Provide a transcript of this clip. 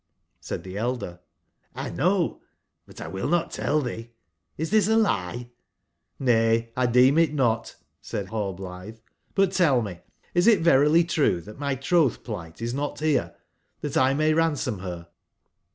Said tbe elder: ''1 know, but Twill not tell thee. Is this a lie?" ''JVay, X deem it not," said Hallblitbe; Bu t, tell me, is it verily true that my troth/plight is not here, thatlmay ransom her